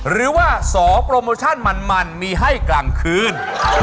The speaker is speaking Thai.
หรือว่าสอโปรโมชั่นมันมีให้กลางคืน